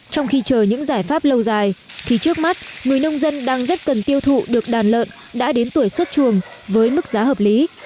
trong khi chờ những giải pháp lâu dài thì trước mắt người nông dân đang rất cần tiêu thụ được đàn lợn đã đến tuổi xuất chuồng với mức giá hợp lý